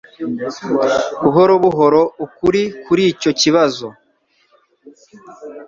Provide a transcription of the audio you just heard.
Buhoro buhoro ukuri kuri icyo kibazo.